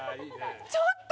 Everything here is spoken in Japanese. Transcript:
ちょっと。